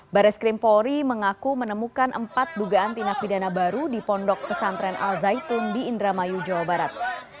baris krim polri mengaku menemukan empat dugaan tindak pidana baru di pondok pesantren al zaitun di indramayu jawa barat